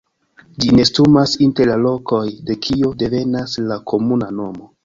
Ĝi nestumas inter la rokoj de kio devenas la komuna nomo.